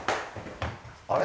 あれ？